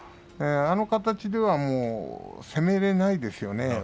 あの形ではもう攻められないですね。